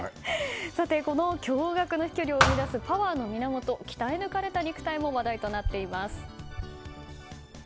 この驚愕な飛距離を生み出すパワーの源、鍛え抜かれた肉体も話題となっています。